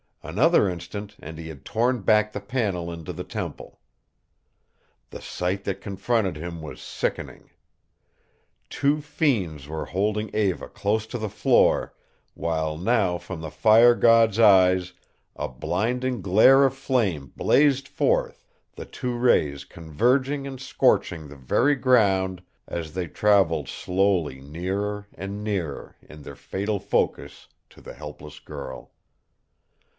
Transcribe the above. Another instant, and he had torn back the panel into the temple. The sight that confronted him was sickening. Two fiends were holding Eva close to the floor, while now from the fire god's eyes a blinding glare of flame blazed forth, the two rays converging and scorching the very ground as they traveled slowly nearer and nearer, in their fatal focus, to the helpless girl.